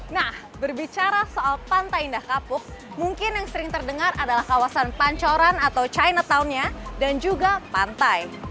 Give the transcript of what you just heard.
nah berbicara soal pantai indah kapuk mungkin yang sering terdengar adalah kawasan pancoran atau chinatown nya dan juga pantai